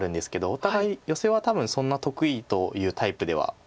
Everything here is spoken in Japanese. お互いヨセは多分そんな得意というタイプでは。